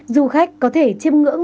du khách có thể chìm ngưỡng